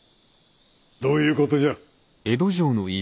どういう事じゃ？